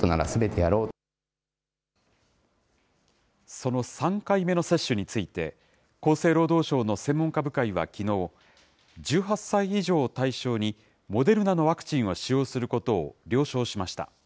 その３回目の接種について、厚生労働省の専門家部会はきのう、１８歳以上を対象にモデルナのワクチンを使用することを了承しました。